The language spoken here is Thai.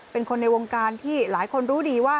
เป็นคนในวงการที่หลายคนรู้ดีว่า